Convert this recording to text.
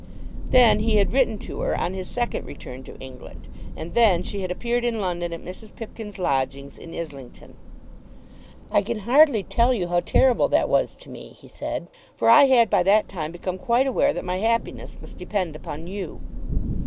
Then he had written to her on his second return to England, and then she had appeared in London at Mrs. Pipkin's lodgings in Islington. "I can hardly tell you how terrible that was to me," he said, "for I had by that time become quite aware that my happiness must depend upon you."